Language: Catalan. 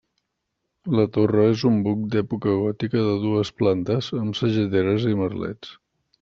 La torre és un buc d'època gòtica de dues plantes amb sageteres i merlets.